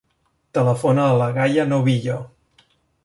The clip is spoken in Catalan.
Telefona a la Gaia Novillo.